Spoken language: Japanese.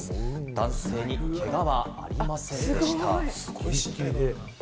男性にけがはありませんでした。